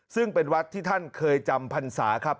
ซึ่งเป็นวัดที่ท่านเคยจำพรรษาครับ